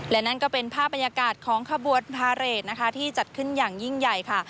และนั่นก็เป็นภาพบรรยากาศของขบวนพาเรทนะคะที่จัดขึ้นอย่างยิ่งใหญ่ค่ะ